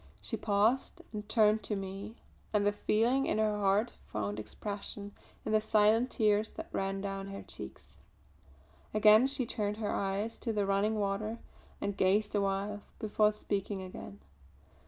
She paused and turned to me and the feeling in her heart found expression in the silent tears that ran down her cheeks. Again she turned her eyes to the running water and gazed awhile before speaking again.